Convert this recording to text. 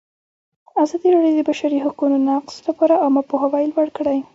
ازادي راډیو د د بشري حقونو نقض لپاره عامه پوهاوي لوړ کړی.